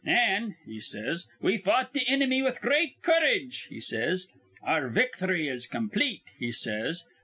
'An' he says, 'we fought the inimy with great courage,' he says. 'Our victhry is complete,' he says.